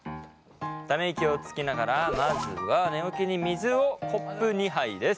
ため息をつきながらまずは寝起きに水をコップ２杯です！